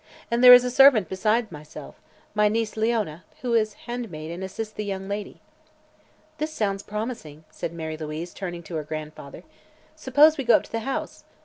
And there is a servant besides myself, my niece Leona, who is housemaid and assists the young lady." "This sounds promising," said Mary Louise, turning to her grandfather. "Suppose we go up to the house?